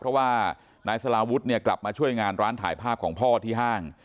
เพราะว่านายสลาวุฒิเนี่ยกลับมาช่วยงานร้านถ่ายภาพของพ่อที่ห้าง